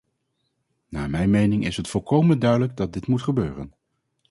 Naar mijn mening is het volkomen duidelijk dat dit moet gebeuren.